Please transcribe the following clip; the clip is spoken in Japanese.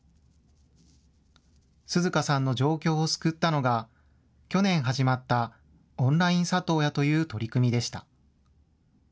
涼花さんの状況を救ったのが去年、始まったオンライン里親という取り組みでした。